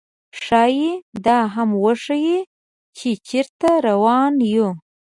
ښايي دا هم وښيي، چې چېرته روان یو.